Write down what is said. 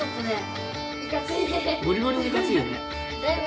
ゴリゴリにいかついよね。